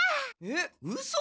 えっうそ！？